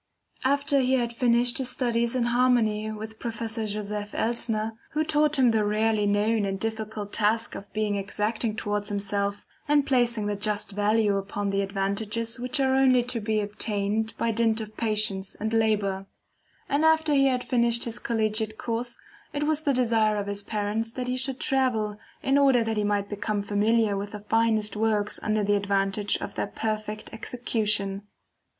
After he had finished his studies in harmony with Professor Joseph Elsner, who taught him the rarely known and difficult task of being exacting towards himself, and placing the just value upon the advantages which are only to be obtained by dint of patience and labor; and after he had finished his collegiate course, it was the desire of his parents that he should travel in order that he might become familiar with the finest works under the advantage of their perfect execution.